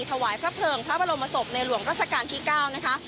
ถวายพระเพลิงพระบรมศพในหลวงราชการที่๙นะคะ